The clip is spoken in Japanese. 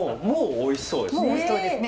おいしそうですね。